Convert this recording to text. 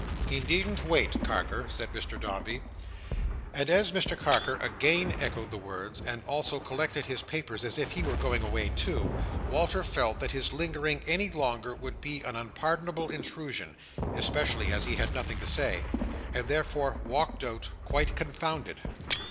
"He needn't wait, Carker," said Mr Dombey. And as Mr Carker again echoed the words, and also collected his papers as if he were going away too, Walter felt that his lingering any longer would be an unpardonable intrusion—especially as he had nothing to say—and therefore walked out quite confounded.